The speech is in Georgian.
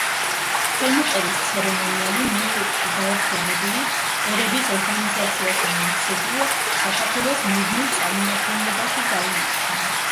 ხელმოწერის ცერემონიალი ნიუ-იორკში, გაერთიანებული ერების ორგანიზაციასთან არსებულ საქართველოს მუდმივ წარმომადგენლობაში გაიმართა.